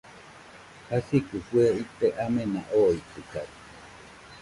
Jasikɨ fue ite amena oitɨkaɨ